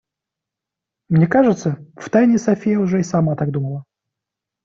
Мне кажется, втайне София уже и сама так думала.